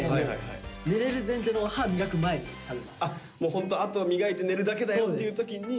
ホントあとは磨いて寝るだけだよっていう時に。